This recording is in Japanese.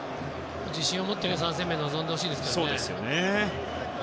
自信を持って３戦目に臨んでほしいですけどね。